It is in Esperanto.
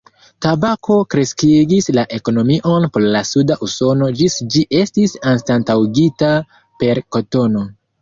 Tabako kreskigis la ekonomion por la suda Usono ĝis ĝi estis anstataŭigita per kotono.